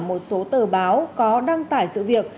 một số tờ báo có đăng tải sự việc